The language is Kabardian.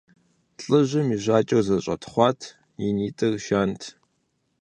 ЛӀыжьым и жьакӀэр зэщӀэтхъуат, и нитӀыр жант.